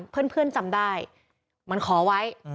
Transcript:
เพื่อนจำได้มันขอไว้